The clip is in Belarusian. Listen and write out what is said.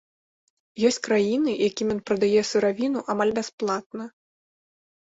Ёсць краіны, якім ён прадае сыравіну амаль бясплатна.